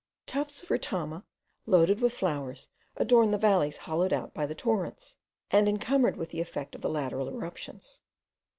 Tufts of retama, loaded with flowers, adorn the valleys hollowed out by the torrents, and encumbered with the effects of the lateral eruptions.